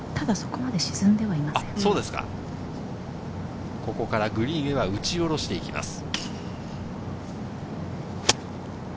ここからグリーンへは打ち下ろしていきます。